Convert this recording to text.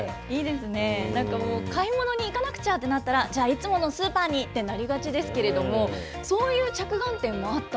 いいですね、なんかもう、買い物に行かなくちゃってなったら、じゃあ、いつものスーパーにってなりがちですけど、そういう着眼